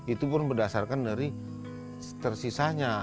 itu pun berdasarkan dari tersisanya